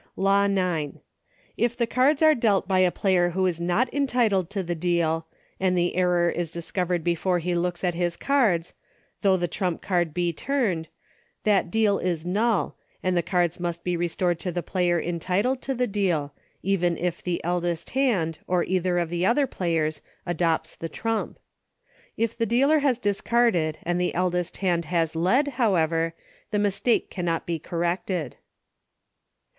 Law IX. If the cards are dealt by a player who is not entitled to the deal, and the error is dis covered before he looks at his cards, though the trump card be turned, that deal is null, and the cards must be restored to the player entitled to the deal, even if the eldest hand, or either of the other players, adopts the trump. If the dealer has discarded and the eldest hand has led, however, the mistake cannot be corrected.